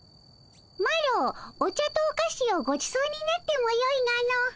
マロお茶とおかしをごちそうになってもよいがの。